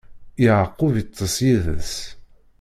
Yeɛqub iṭṭeṣ yid-s.